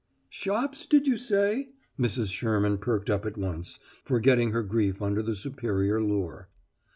"Shops, did you say?" Mrs. Sherman perked up at once, forgetting her grief under the superior lure.